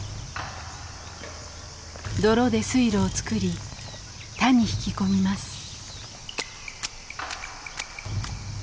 泥で水路を作り田に引き込みます。